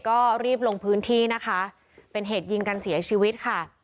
ก็รีบลงพื้นที่นะคะเป็นเหตุยิงกันเสียชีวิตค่ะ